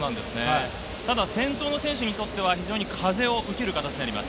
ただ先頭の選手にとっては風を受ける形になります。